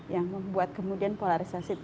yang membuat kemudian polarisasi